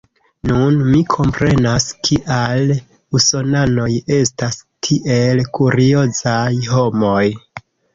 Nun mi komprenas, kial usonanoj estas tiel kuriozaj homoj.